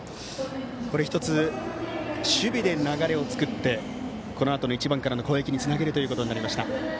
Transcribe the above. １つ、守備で流れを作ってこのあとの１番からの攻撃につなげることになりました。